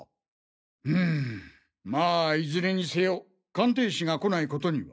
うむまあいずれにせよ鑑定士が来ないことには。